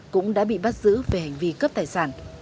cũng đã bị bắt giữ về hành vi cướp tài sản